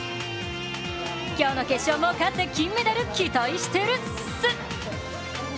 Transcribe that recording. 今日の決勝も勝って金メダル、期待してるっス。